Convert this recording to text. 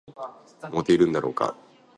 燃えているんだろうか